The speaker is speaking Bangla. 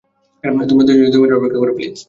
তোমরা দুজনই দুই মিনিট অপেক্ষা করো প্লীজ।